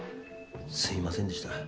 すいませんでした。